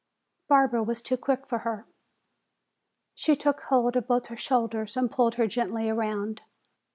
Barbara was too quick for her. She took hold of both her shoulders and pulled her gently around.